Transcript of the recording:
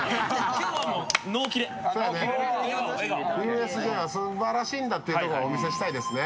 ＵＳＪはすばらしいんだというところをお見せしたいですね。